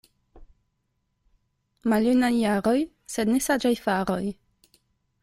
Maljunaj jaroj, sed ne saĝaj faroj.